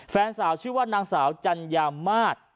แฟนสาวชื่อว่านางสาวจัญญามาศ